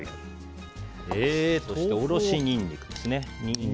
そして、おろしニンニク。